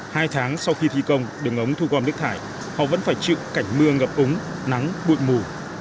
hai tháng sau khi thi công đường ống thu gom nước thải họ vẫn phải chịu cảnh mưa ngập úng nắng bụi mù